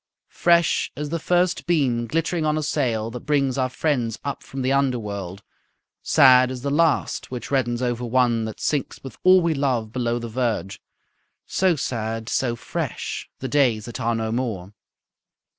Fresh as the first beam glittering on a sail, That brings our friends up from the underworld, Sad as the last which reddens over one That sinks with all we love below the verge; So sad, so fresh, the days that are no more.